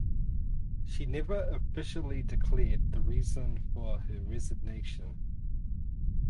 She never officially declared the reason for her resignation.